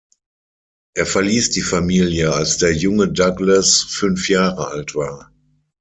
Er verließ die Familie, als der junge Douglas fünf Jahre alt war.